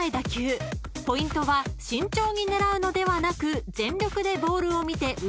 ［ポイントは慎重に狙うのではなく］